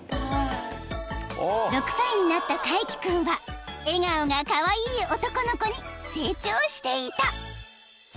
［６歳になったカイキ君は笑顔がカワイイ男の子に成長していた］